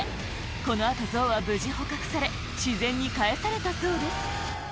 この後象は無事捕獲され自然に返されたそうです